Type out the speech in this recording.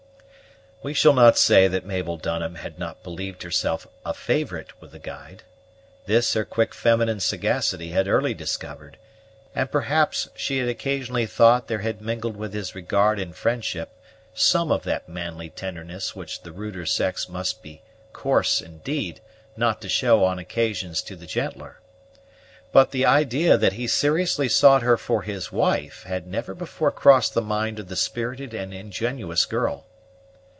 We shall not say that Mabel Dunham had not believed herself a favorite with the guide. This her quick feminine sagacity had early discovered; and perhaps she had occasionally thought there had mingled with his regard and friendship some of that manly tenderness which the ruder sex must be coarse, indeed, not to show on occasions to the gentler; but the idea that he seriously sought her for his wife had never before crossed the mind of the spirited and ingenuous girl.